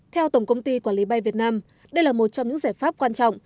theo tổng công ty quản lý bay việt nam đây là một trong những giải pháp quan trọng